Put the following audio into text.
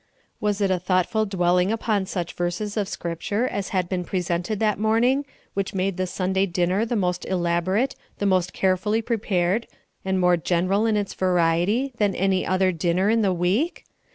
"Was it a thoughtful dwelling upon such verses of Scripture as had been presented that morning which made the Sunday dinner the most elaborate, the most carefully prepared, and more general in its variety, than any other dinner in the week?